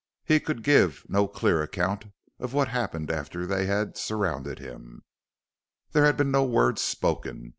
He could give no clear account of what had happened after they had surrounded him. There had been no words spoken.